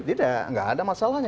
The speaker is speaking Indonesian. tidak ada masalahnya